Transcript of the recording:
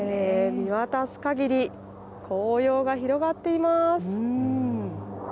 見渡すかぎり紅葉が広がっています。